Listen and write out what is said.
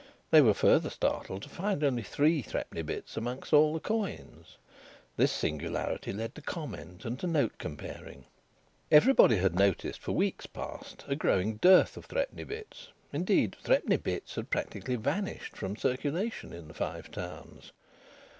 They were further startled to find only three threepenny bits among all the coins. This singularity led to comment and to note comparing. Everybody had noticed for weeks past a growing dearth of threepenny bits. Indeed, threepenny bits had practically vanished from circulation in the Five Towns.